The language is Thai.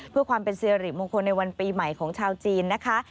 เพื่อความเป็นสิริมงคลในวันปีใหม่ของชาวจีนนะคะ